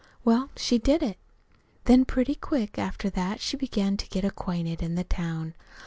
Well, she did it. "Then, pretty quick after that, she began to get acquainted in the town.